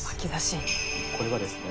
これはですね